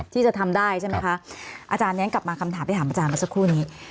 ที่จะทำได้ใช่ไหมคะอาจารย์ย้อนกลับมาคำถามที่ถามอาจารย์มาสักครู่นี้